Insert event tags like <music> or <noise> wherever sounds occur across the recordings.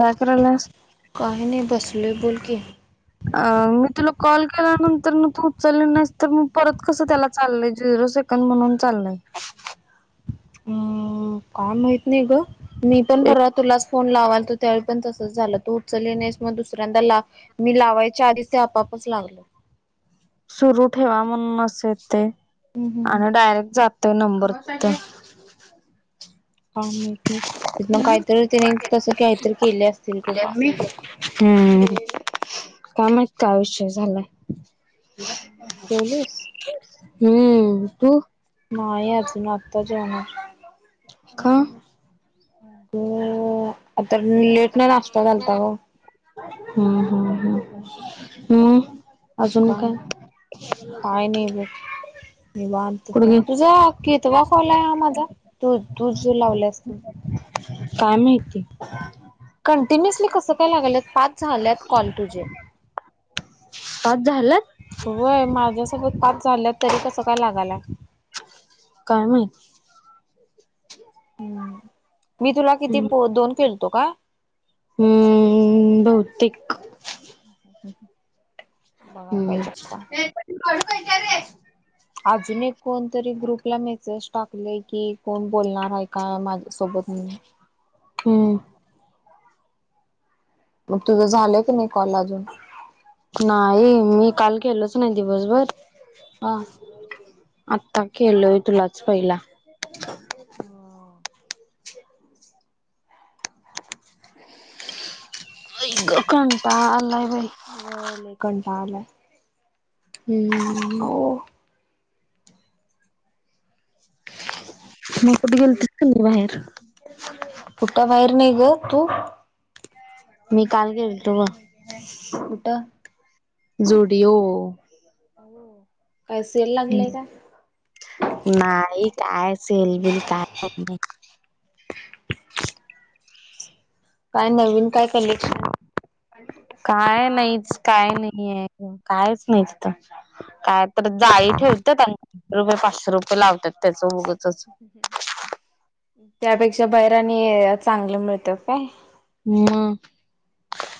काय कारल्यास. काय नाही बसलोय बोल की. अ मी तुला कॉल केल्यानंतर न तू उचलली नाहीस तर मग परत कसं त्याला चाललंय झरो. म्हणून चाललय. हम्म काय माहित नाही ग. मी पण एक परवा तुलाच फोन लावलतो त्यावेळी पण तसच झालं तू. उचली नाहीस मग दुसऱ्यांदा ला मी लावायच्या आधी ते आपापच लागल. सुरू ठेवा म्हणून असेल ते हम्म, हम्म, हम्म. आणि डायरेक्ट जातोय नंबर ते. हा मग ते तिथंन काहीतरी त्यानी तस काहीतरी केले अस. <unintelligible> हम्म काय माहित काय विषय झालंय. जेवलीस. हम्म तू. नाही अजून आता जेवणार. अं अगं आता हि लेट न नाश्ता घालत्या ग. हम्म हम्म हम्म, हम्म. मग काय? काय नाई बघ निवांत. त कुठं गे तुझा कितवा कॉल हाय हा माझा? तू-तू जो लावल्यास तो. काय माहिती. कंटिन्युअसली कसं काय लागल्यात? पाच झाल्यात कॉल तुझे. पाच झाल्यात? व्हय माझ्यासोबत पाच झाल्यात, तरी कसं काय लागालाय? काय माहीती. हम्म, मी तुला किती हम्म. पो दोन केलतो का? हम्म बहुतेक बघाय हम्म. पाहिजे आता अजून एक कोणतरी ग्रुपला मेसेज टाकलय की, कोण बोलणार हाय का? माझ्या सोबत म्हणून. हम्म. मग तुझं झालं की नाही कॉल अजून? नाई मी काल केलोच नाही दिवसभर. हा आत्ता केलोय तुलाच पहिला. <unintelligible> आई ग, कंटाळ आलाय बाई. व्हय, लय कंटाळ आलाय. हम्म हम्म हम्म हम्म. हो मग कुट गेलतीस का नाई बाहेर? कुठ बाहीर नाही ग, तू? मी काल गेलतो ब कुठं जूडीओ. काय सेल लागलय काय? नाई काय सेलबिल काय <unintelligible> काय नवीन काय कलेच काय नाईच, काय नाहीये ग, कायच नाहीच. त काय तर जाळी ठेवत्यात आणि रुपये पाचशे रुपये लावत्यात त्याचं उगचच. त्यापेक्षा बहिर आणि चांगलं मिळतं काय? म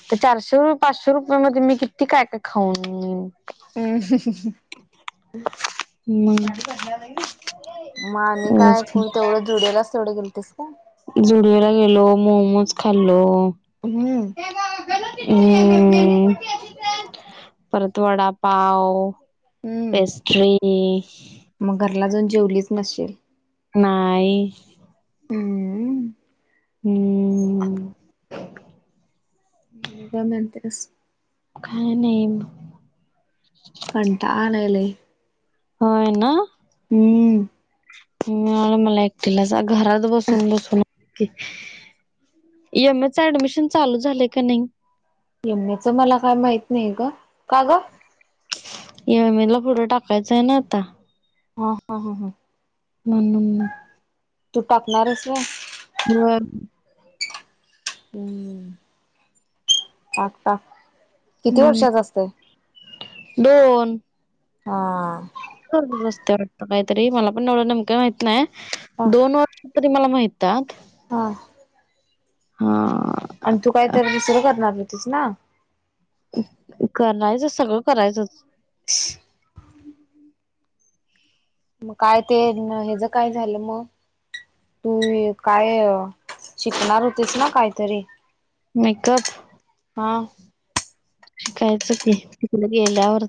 त्या चारशे रु पाचशे रुपये मध्ये मी किती काय-काय खाऊन ईन. <unintelligible> हम्म. म आणि काय फुल तेवढं जुडिओलाच तेवढं गेलतीस काय? जुडिओला गेलो, मोमोज खाल्लो. हम्म. हम्म, परत वडापाव हम्म पेस्ट्री. मग घरला जाऊन जेवलीच नचशील? नाही. हम्म हम्म. हम्म. <unintelligible> म्ह का मते काय नाही. कणता आलेले. होय ना. हम् ह आला मला एकटीलाच घरात बसून बसून. इमएच ऍडमिशन चालू झालंय का नाही. एम ए च मला काय माहित नाही ग का ग. ए एम ए ला फोटो टाकायचं आहे ना आता हा हा हा हा म्हणून तू टाकणारस व हो हम्म आगता किती हम्म वर्षाच असते हा. रस्ते वाटत काहीतरी मला पण एवढं नेमकं माहित नाही दोन वर्ष तरी मला माहात हां ह आणि तू काय तर दुसरं करणार होतीस ना. करायचंच सगळं करायचंच. ह मग काय ते हच काय झालं मग तू काय शिकणार होतेस ना काहीतरी मेकअप हा शिकायचं कि त तला गेल्यावर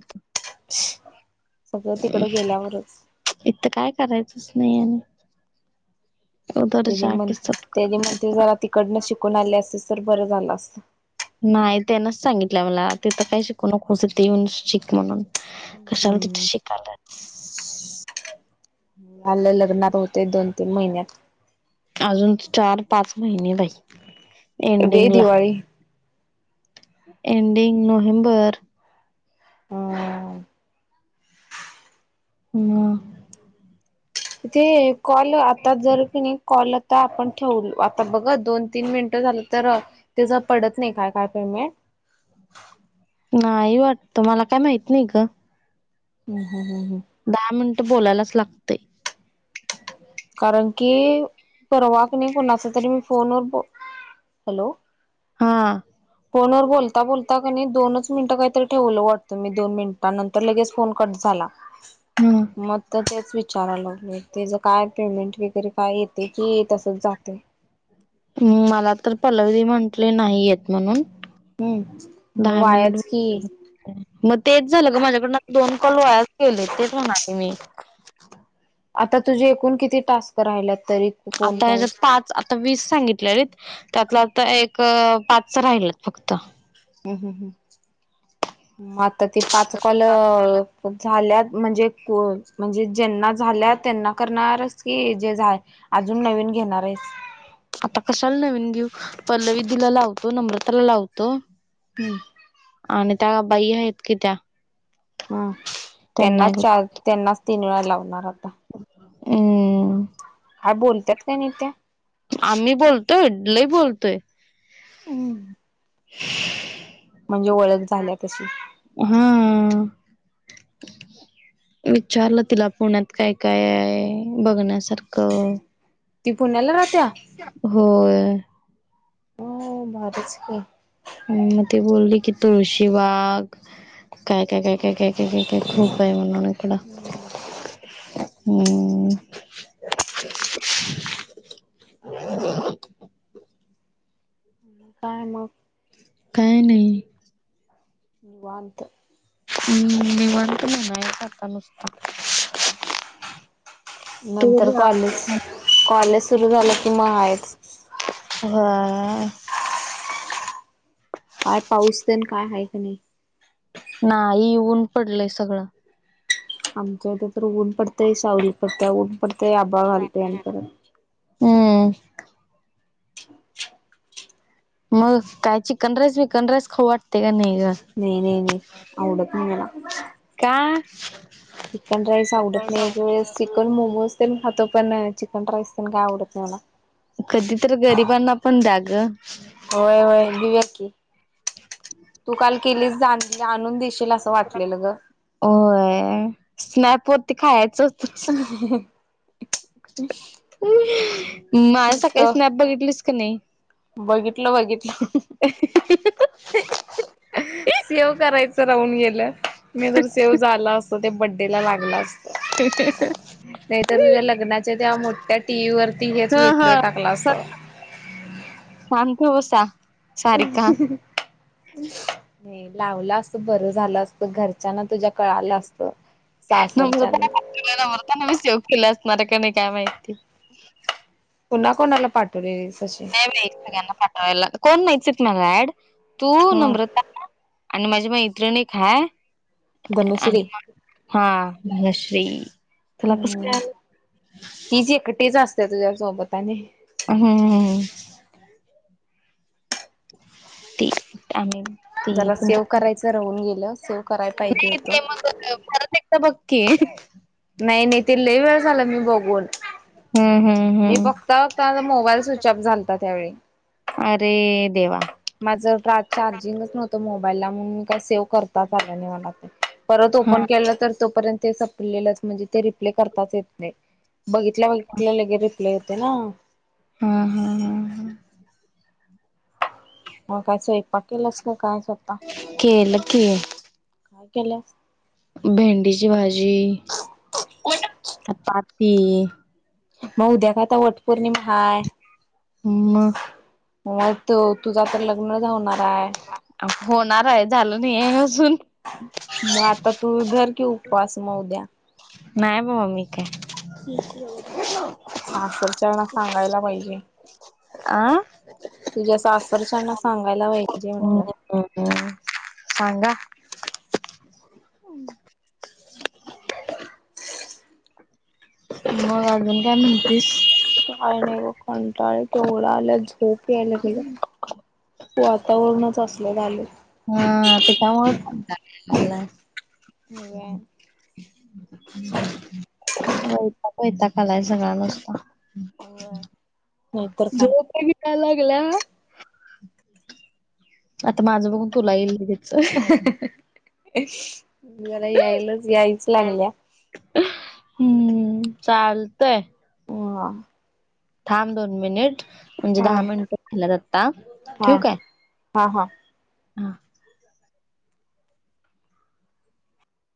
सगळं तिकडें गेल्यावरच इत काय करायचंच नाही आणि उधर म जाके सब त्या करणे मंत्री जरा तिकडनं शिकून आले असे तर बरं झालं असत. नाही त्यांनाच सांगितलं मला तेिथ काही शिकू नकोस ते येऊन शिक म्हणून कशाला तिथे हम्म शिकायला. लं लग्णार होते दोन तीन महिन्यात अजून चार पाच महिने नाहीई. ब दिवाळी एंडिंग नोवहेंबर हम् ह ते कॉल आता जर की नाही कॉल ता आपण ठेवल आता बघ दोन तीन मिनटं झालं तर त्याचं पडत नाही काय काय पेमेंट. नाही वाटत मला काय माहित नाही ग. हम हम हम हम दहा मिनिटं बोलायलाच लागते. कारण की परवा क नाही कोणाचा तरी मी फोनवर ब हॅलो हा फोनवर बोलता बोलता क दोनच मिनिटं काहीतरी ठेवलं वाटतं मी दोन मिनिटां नंतर लगेच फोन कट झाला. हम् मग तर तेच विचाराय लागले त्याच काय पेमेंट वगैरे काय येते की तसंच जाते ् मला तर पलवली म्हंटले नाही येत म्हणून हम्म मग दहा मिनिट वायाच की मग तेच झालं ग माझ्याकडनं दोन कल वयास गेले तेच म्हणाले मी आता तुझे एकूण किती टास्क राहिल्यात तरी फोन आता कॉल पाच वीस सांगितलेले त्यातलं आता एक पाचच राहिल फक्त हम्म हम् हम् आता ती पाच ते कल पाच राहिल्यात झाल्यात म्हणजे म्हणजे ज्यांना झाल्या त्यांना करणारच की जे झाय अजून नवीन घेणार आहेस आता कशाला नवीन घेऊ पल्लवीधला लावतो नम्रताला लावतो पे आणि त्या बाई आहेत की त्या हम त्यांना त्यांनाच एक चार त्यांनाच तीन वेळा लावणार आता हम्म हा बोलतात का नाही त्या आम्ही बोलतोय लई बोलतोय हम म्हणजे ओळख झाल्या तशी हा विचारलं तिला पुण्यात काय काय आहे बघण्यासारखं ती पुण्याला राहत्या होय म भरच की ह मग तेी बोलली की तुळशी बाग काय काय काय काय काय काय काय काय खूप आहे मन कपड हम्म हम्म काय मग काय नाही निवांत हम्म निवांत म्हणायचं आता बसलो नंतर कॉलेज कॉलेज सुरु झालं कि म आहेच हा काय पाऊसते ना काय आहे का नाही नाही येऊन पडलेय सगळं आमच्या इथे तर ऊन पडतेंय सावरली पडते ऊन पडतेय आबा घालते आणि परत हम्म मग काय चिकन रेस भिकन रेस खाऊ वाटते का नाही ग नाही नाही नाही आवडत नाही मला का चिकन राईस आवडत नाही एक वेळेस चिकन मोमोज त ह तो प चिकन राईस तना काय आवडत नाहीला कधी तर गरिबांना पण द्या ग होय होय देऊया की तू काल केलीस जा आणून देशील असं वाटलेलं ग होय स्नॅप वरती खायचं होतं ह माला सकाळी नुसतं स्नॅप बघितलीच का नाही बघितलं बघितलं अ सेव करायच राहून गेलं मी तर सेव झाला अस ते बड्डेला लागलाच ते ते नाहीतर लग्नाच्या त्या मोठ्या टी व्ही वरती हेच ह वि्हंडिओ ह टाकला असत शांत बसा नाही लावला असत बरं झालं अस घरच्यांना तुझ्या कळाला असत सासरच्यान तुझ्या नवऱ्याने त्यांचे माझे चल काय माहिती पुन्हा कोणाला पाठवलेल तशी गना पाठवायला कोण माहिती मला ऍड तू हा नम्रता आणि माझी मैत्रीण एक आहे धनश्री हा धनश्री तुला कसं कळालं तिची एकटीच असते त्या तुझ्या सोबत नाही हम्म ह ती आणी जरा सेव करायचं राहून गेलं सेव करायला पाहिजे नाही होतं ते मग परत एकदा बघ की नाही नाही तिथला वेळ झाला मी बघून हम हम हम तात मोबाईल स्विचऑफ झाला त्यावेळी अरे देवा माझं फार चार्जिंगच नव्हतं, मोबाईलला म्हणून मी काय सेव्ह करताच आलं नाही मला ते परत हा ओपन केलं तर तोपर्यंत ते संपलेलंच म्हणजे ते रिप्ले करताच येत नाही बघितल्या बघितल्या लगे रिप्ले होते ना हा हा ह मग काय स्वयपाक केलंस काय आता केल की काय केल्यास भेंडीची भाजी, चपाती म उद्या का आता वटपौर्णिमा हायं म म तो तुझा आता लग्न राहणार हाय होणार आहे झालं नाहीय अजून म आता तू धर की उपवास म उद्या नाही बाबा मी काय सासरच्यांना सांगायला पाहिजे आं तुझ्या सासरच्यांना सांगायला पाहिजे म्हंटलं ह् सांगा हम् मग अजून काय म्हणतीस. काय नाही बघ कंटाळ केवढा आला झोप याय लागलीया. वातावरणच असलं झालंय. हम् तेच्यामुळेच कंटाळा याय लागलाय. होय वैताग वैताग आलाय सगळा नुस्ता. होय नाहीतर काय. झोप ही का लागल्या आता माझं बघून तुला येईल घे. हं हं मला यायला यायच लागलीया. हम्म चालतंय. हा. थांब दोन मिनिटं म्हणजे, हा दहा मिनिटं झाल्यात आता. हा ठेवू काय हा हा. हा.